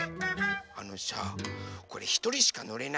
あのさこれひとりしかのれないの。